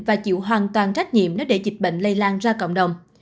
và chịu hoàn toàn trách nhiệm nếu để dịch bệnh lây lan ra cộng đồng